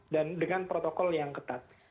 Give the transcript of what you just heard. dan dengan protokol yang ketat